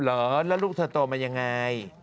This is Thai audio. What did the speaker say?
เหรอแล้วลูกเธอโตมายังไง